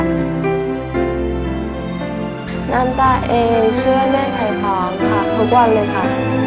น้ำตาเองช่วยแม่ไขคลองทุกวันเลยค่ะ